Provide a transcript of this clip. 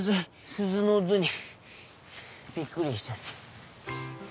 鈴の音にびっくりしちゃって。